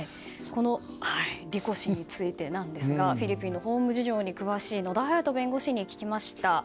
リコ氏についてなんですがフィリピンの法務事情に詳しい野田隼人弁護士に聞きました。